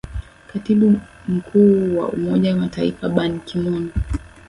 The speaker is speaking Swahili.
katibu mkuu wa umoja mataifa ban kimoon